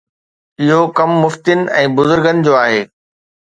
اهو ڪم مفتين ۽ بزرگن جو آهي.